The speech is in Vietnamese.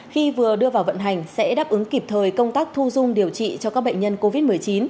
khi vừa đưa vào vận hành sẽ đáp ứng kịp thời công tác thu dung điều trị cho các bệnh nhân covid một mươi chín